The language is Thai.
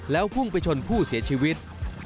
แล้วพุ่งไปชนผู้เสียชีวิต